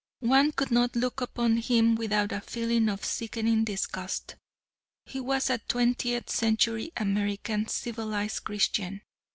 One could not look upon him without a feeling of sickening disgust. He was a twentieth century American civilized Christian.